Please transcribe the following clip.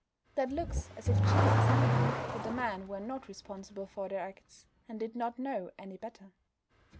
That looks as if Jesus knew that the men were not responsible for their acts, and did not know any better.